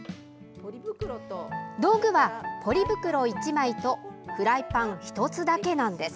道具はポリ袋１枚とフライパン１つだけなんです。